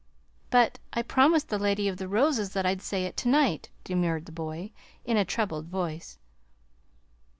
"But I promised the Lady of the Roses that I'd say it to night," demurred the boy, in a troubled voice.